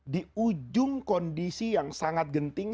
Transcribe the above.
di ujung kondisi yang sangat genting